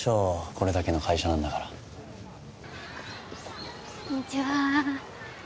これだけの会社なんだからこんにちは